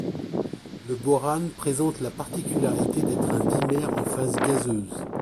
Le borane présente la particularité d'être un dimère en phase gazeuse.